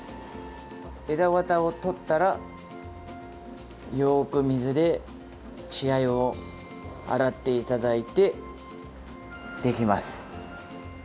エラ、ワタを取ったらよく水で血合いを洗っていただいてできます。